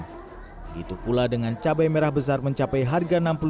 begitu pula dengan cabai merah besar mencapai harga